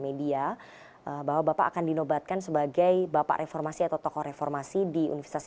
media bahwa bapak akan dinobatkan sebagai bapak reformasi atau tokoh reformasi di universitas